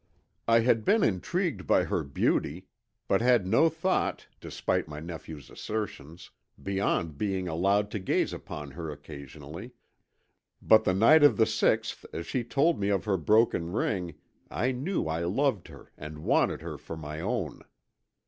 "I had been intrigued by her beauty, but had no thought, despite my nephew's assertions, beyond being allowed to gaze upon her occasionally, but the night of the sixth as she told me of her broken ring I knew I loved her and wanted her for my own.